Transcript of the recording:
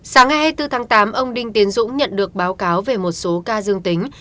sáng ngày hai mươi bốn tháng tám ông đinh tiến dũng nhận được báo cáo về một số ca dương tính